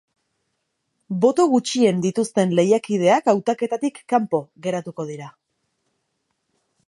Boto gutxien dituzten lehiakideak hautaketatik kanpo geratuko dira.